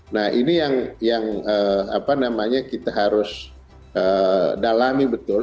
nah ini yang kita harus dalami betul